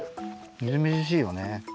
みずみずしいよね。